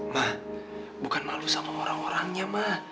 ma bukan malu sama orang orangnya ma